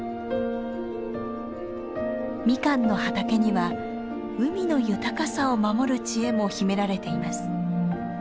ミカンの畑には海の豊かさを守る知恵も秘められています。